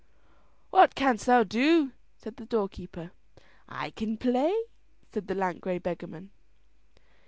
"What canst thou do?" said the doorkeeper. "I can play," said the lank grey beggarman.